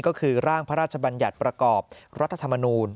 ก็คือร่างพระราชบัญญัติประกอบรัฐธรรมนูล